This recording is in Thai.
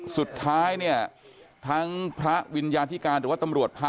สุดท้ายเนี่ยทั้งพระวิญญาธิการหรือว่าตำรวจพระ